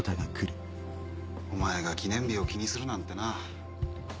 お前が記念日を気にするなんてな。